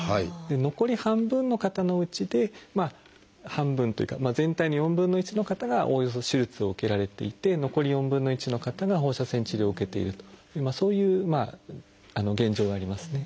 残り半分の方のうちで半分というか全体の４分の１の方がおおよそ手術を受けられていて残り４分の１の方が放射線治療を受けているというそういう現状がありますね。